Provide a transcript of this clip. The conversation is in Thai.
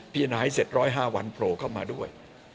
พิจารณาให้เสร็จ๑๐๕วันโพรส์เข้ามาด้วย